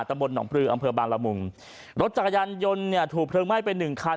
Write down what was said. ตำบลหนองปลืออำเภอบางละมุงรถจักรยานยนต์เนี่ยถูกเพลิงไหม้ไปหนึ่งคัน